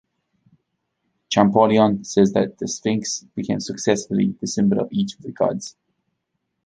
Champollion says that the sphinx became successively the symbol of each of the gods.